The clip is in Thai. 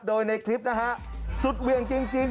โดยในคลิปนะฮะสุดเหวี่ยงจริง